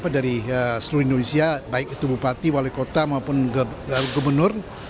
dari seluruh indonesia baik itu bupati wali kota maupun gubernur